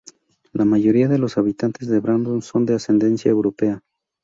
La mayoría de los habitantes de Brandon son de ascendencia europea.